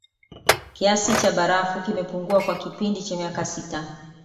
Kiasi cha barafu kimepungua kwa kipindi cha miaka sita